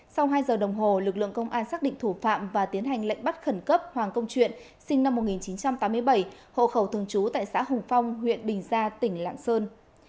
sau hai giờ đồng hồ lực lượng công an xác định thủ phạm và tiến hành lệnh bắt khẩn cấp hoàng công chuyện sinh năm một nghìn chín trăm tám mươi bảy hộ khẩu thường trú tại xã hùng phong huyện bình gia tỉnh lạng sơn